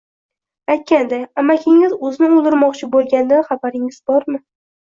Aytganday, amakingiz o`zini o`ldirmoqchi bo`lganidan xabaringiz bormi